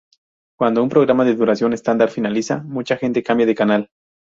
Cuando un programa de duración estándar finaliza, mucha gente cambia de canal.